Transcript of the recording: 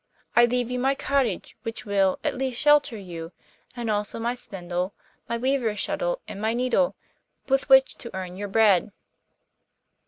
I leave you my cottage, which will, at least, shelter you, and also my spindle, my weaver's shuttle, and my needle, with which to earn your bread.